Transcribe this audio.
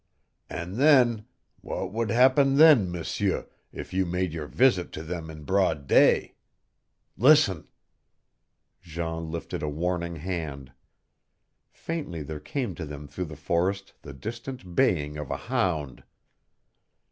And then what would happen then, M'seur, if you made your visit to them in broad day? Listen!" Jean lifted a warning hand. Faintly there came to them through the forest the distant baying of a hound.